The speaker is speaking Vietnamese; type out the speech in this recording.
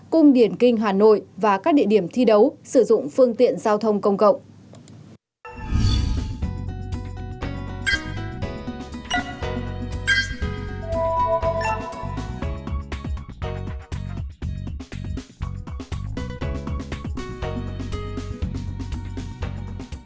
cung điển kinh hà nội và các địa điểm thi đấu sử dụng phương tiện giao thông công cộng